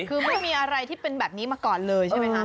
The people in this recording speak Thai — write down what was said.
คือไม่มีอะไรที่เป็นแบบนี้มาก่อนเลยใช่ไหมคะ